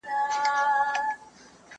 زه به مينه څرګنده کړې وي؟